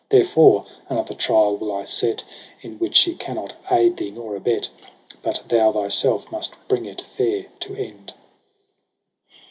Therefore another trial will I set. In which she cannot aid thee nor abet. But thou thyself must bring it fair to end.'